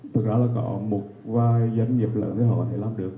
thực ra là có một vài doanh nghiệp lớn thì họ có thể làm được